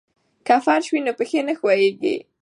که فرش وي نو پښې نه ښویېږي.